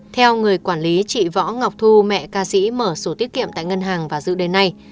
theo người quản lý chị võ ngọc thu mẹ ca sĩ mở số tiết kiệm tại ngân hàng và dự đề này